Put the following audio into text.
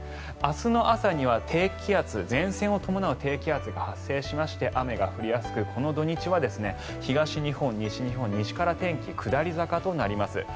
明日の朝には前線を伴う低気圧が発生しまして、雨が降りやすくこの土日は東日本、西日本西から天気が下り坂となります。